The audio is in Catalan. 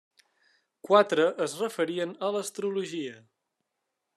Quatre es referien a l'astrologia.